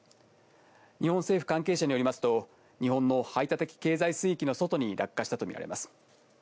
日本政府関係者によりますと、日本の排他的経済水域の外に落下したとみられます。